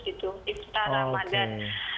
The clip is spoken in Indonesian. itu iftar ramadan